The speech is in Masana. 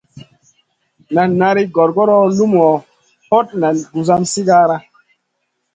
Nan nari gongor lumuʼu, hot nan gusum sigara.